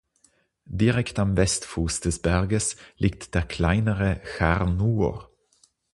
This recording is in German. Direkt am Westfuß des Berges liegt der kleinere Char Nuur.